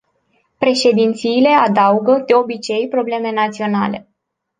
Președințiile adaugă, de obicei, probleme naționale.